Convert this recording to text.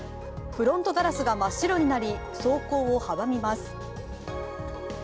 フロントガラスが真っ白になり走行を阻みます。